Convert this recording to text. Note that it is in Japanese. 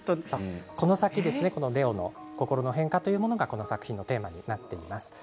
この先のレオの心の変化というのがこの作品のテーマになっています。